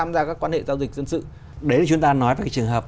đấy là chúng ta nói về cái trường hợp